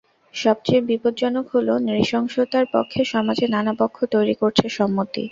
সবচেয়ে বিপজ্জনক হলো, নৃশংসতার পক্ষে সমাজে নানা পক্ষ তৈরি করছে সম্মতি।